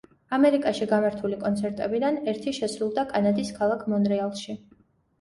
ამერიკაში გამართული კონცერტებიდან ერთი შესრულდა კანადის ქალაქ მონრეალში.